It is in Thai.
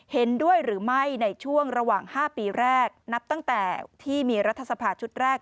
เห็นด้วยหรือไม่ในช่วงระหว่าง๕ปีแรกนับตั้งแต่ที่มีรัฐสภาชุดแรก